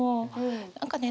何かね